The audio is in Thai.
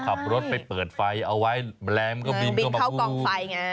ขับรถไปเปิดไฟเอาไว้แมลงก็บินเข้ามาพูด